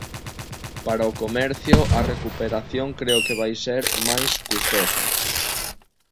Para o comercio, a recuperación creo que vai ser máis custosa.